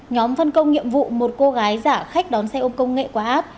nhóm phân công nhiệm vụ một cô gái giả khách đón xe ôm công nghệ qua áp